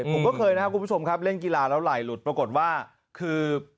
ผมก็เคยนะครับคุณผู้ชมครับเล่นกีฬาแล้วไหลหลุดปรากฏว่าคือ